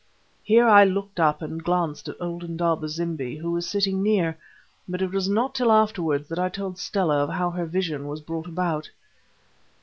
Here I looked up and glanced at old Indaba zimbi, who was sitting near. But it was not till afterwards that I told Stella of how her vision was brought about.